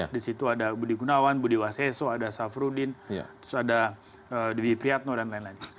disitu ada budi gunawan budi waseso ada safrudin terus ada divi priyadno dan lain lain